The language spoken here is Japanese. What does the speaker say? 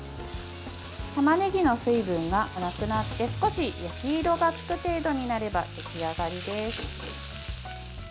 たまねぎの水分がなくなって少し焼き色がつく程度になれば出来上がりです。